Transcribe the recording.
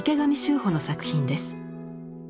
畝の作品です。